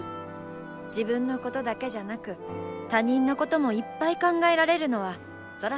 自分のことだけじゃなく他人のこともいっぱい考えられるのはソラさんの魔法だよ。